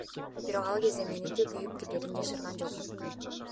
Бирок, ал кээде мээнети күйүп кетээрин жашырган жок.